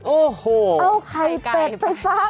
โอ้โหไข่ไก่ไปฟัก